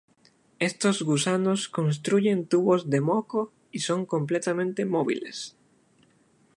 Estos gusanos construyen tubos de moco, y son completamente móviles.